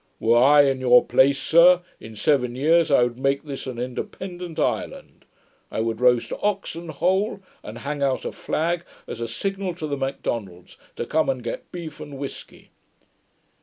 'Were I in your place, sir, in seven years I would make this an independant island. I would roast oxen whole, and hang out a flag as a signal to the Macdonalds to come and get beef and whisky.'